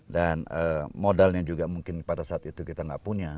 dan modalnya juga mungkin pada saat itu kita nggak punya